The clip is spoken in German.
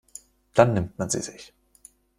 Dann nimmt man sie sich.